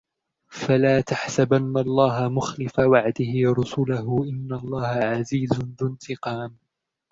فَلَا تَحْسَبَنَّ اللَّهَ مُخْلِفَ وَعْدِهِ رُسُلَهُ إِنَّ اللَّهَ عَزِيزٌ ذُو انْتِقَامٍ